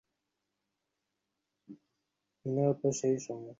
মিনু আপা সেই সময় তাঁর পোস্ট ডক্টোরালের কাজ করছিলেন বিশ্বভারতীর বাংলা বিভাগে।